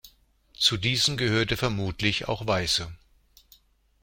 Zu diesen gehörte vermutlich auch Weiße.